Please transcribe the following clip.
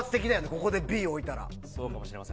ここでＢに置いたら。